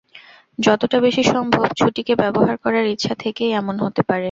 যতটা বেশি সম্ভব ছুটিকে ব্যবহার করার ইচ্ছা থেকেই এমন হতে পারে।